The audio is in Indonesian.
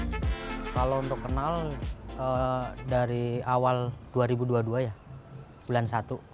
kalau untuk kenal dari awal dua ribu dua puluh dua ya bulan satu